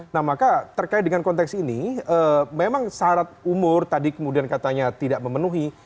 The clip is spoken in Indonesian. nah maka terkait dengan konteks ini memang syarat umur tadi kemudian katanya tidak memenuhi